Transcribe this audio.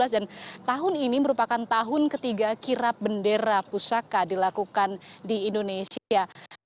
dan tahun ini merupakan tahun ketiga kirap bendera pusaka dilakukan di indonesia